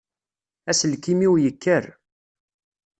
Aselkim-iw yekker.